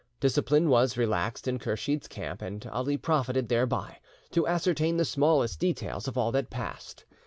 Discipline was relaxed in Kursheed's camp, and Ali profited thereby to ascertain the smallest details of all that passed.